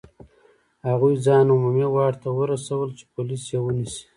هغوی ځان عمومي واټ ته ورسول چې پولیس یې ونیسي.